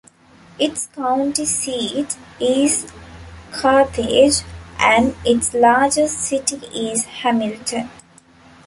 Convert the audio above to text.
Its county seat is Carthage, and its largest city is Hamilton.